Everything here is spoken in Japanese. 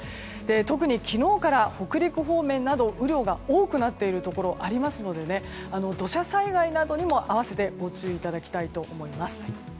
特に昨日から北陸方面など雨量が多くなっているところがありますので土砂災害などにも併せてご注意いただきたいと思います。